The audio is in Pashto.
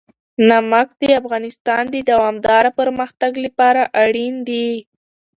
نمک د افغانستان د دوامداره پرمختګ لپاره اړین دي.